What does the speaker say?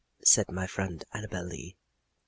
said my friend Annabel Lee.